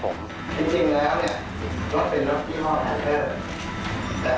จริงแล้วรถเป็นรถพี่ฮอล์แฮนเตอร์